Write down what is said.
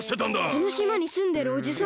このしまにすんでるおじさん！